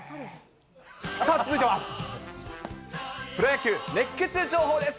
続いてはプロ野球熱ケツ情報です。